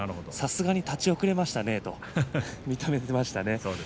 さすがに立ち遅れましたねと認めていました。